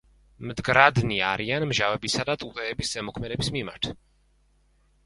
მდგრადნი არიან მჟავებისა და ტუტეების ზემოქმედების მიმართ.